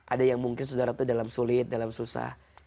ada yang mungkin saudara itu dalam sulit dalam susah